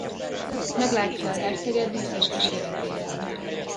Meglátja a herceget díszes kíséretével.